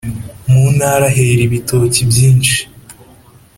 mu mutara hera ibitoki byinshi